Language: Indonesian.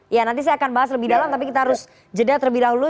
ya nanti saya akan bahas lebih dalam tapi kita harus jeda terlebih dahulu